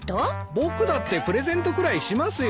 僕だってプレゼントくらいしますよ。